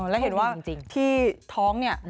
แล้วเห็นว่าที่ท้องเนี่ย